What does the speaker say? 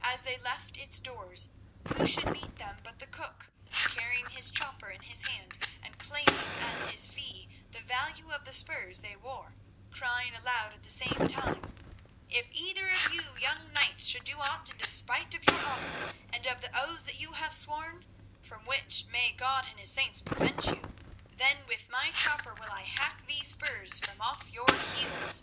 As they left its doors, who should meet them but the cook, carrying his chopper in his hand and claiming as his fee the value of the spurs they wore, crying aloud at the same time: "If either of you young knights should do aught in despite of your honour and of the oaths that you have sworn—from which may God and his saints prevent you!—then with my chopper will I hack these spurs from off your heels."